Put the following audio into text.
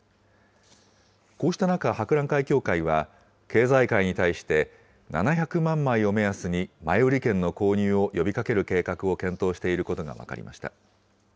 こうした中、博覧会協会は、経済界に対して７００万枚を目安に前売券の購入を呼びかける計画を検討していることが分かりました。